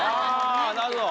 あなるほど。